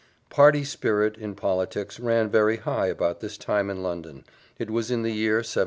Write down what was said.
Party spirit, in politics, ran very high about this time in London it was in the year 1780.